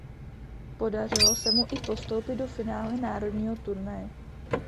Podařilo se mu i postoupit do finále národního turnaje.